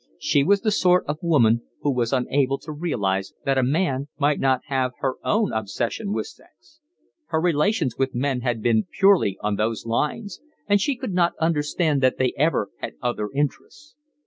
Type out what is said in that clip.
She was the sort of woman who was unable to realise that a man might not have her own obsession with sex; her relations with men had been purely on those lines; and she could not understand that they ever had other interests.